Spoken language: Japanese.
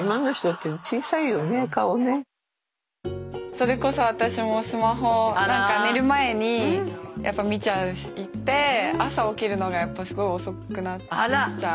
それこそ私もスマホを何か寝る前にやっぱ見ちゃって朝起きるのがやっぱすごい遅くなっちゃう。